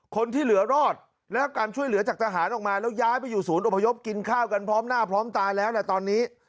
คนที่เหลือรอดได้รับการช่วยเหลือจากทหารออกมาแล้วย้ายไปอยู่ศูนย์อพยพกินข้าวกันพร้อมหน้าพร้อมตาแล้วแหละตอนนี้